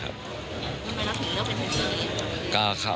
ทำไมล่ะคุณเลือกเป็นผู้ไทย